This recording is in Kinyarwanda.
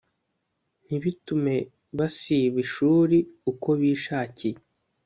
ntibitume basiba ishuriuko bishakiye